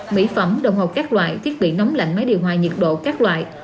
mỹ phẩm đồng học các loại thiết bị nóng lạnh máy điều hòa nhiệt độ các loại